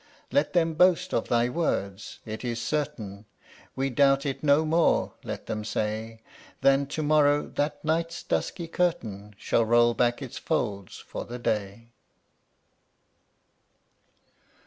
Let them boast of thy word, "It is certain; We doubt it no more," let them say, "Than to morrow that night's dusky curtain Shall roll back its folds for the day."